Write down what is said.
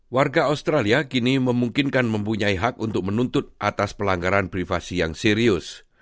warga australia kini memungkinkan mempunyai hak untuk menuntut atas pelanggaran privasi yang serius